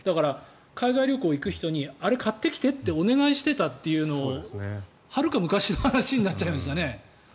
海外旅行に行く人にあれ買ってきてってお願いしてたっていうのをはるか昔の話になっちゃいましたね。